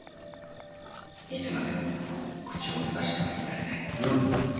いつまでも口を閉ざしてはいられない」。